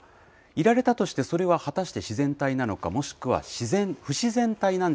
いられたとして、それは果たして自然体なのか、もしくは自然、どき。